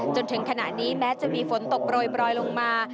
จนถึงขณะนี้แม้จะมีฝนตกโปรยลงมา